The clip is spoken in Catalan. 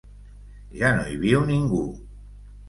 Ja no hi viu ningú.